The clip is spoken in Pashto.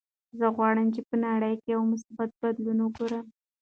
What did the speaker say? زه غواړم چې په نړۍ کې یو مثبت بدلون وګورم.